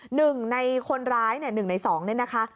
หนึ่งในคนร้ายหนึ่งในสองนี่นะคะ